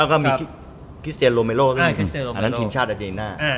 ก็มีคริสเตียนโรเมโรอันนั้นทีมชาติอาจจะยินหน้า